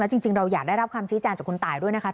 จริงเราอยากได้รับคำชี้แจงจากคุณตายด้วยนะคะ